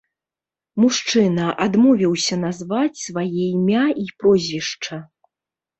Мужчына адмовіўся назваць свае імя і прозвішча.